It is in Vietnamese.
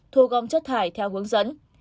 thu gom chất thải theo hướng dẫn